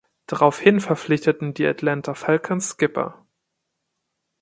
Daraufhin verpflichteten die Atlanta Falcons Skipper.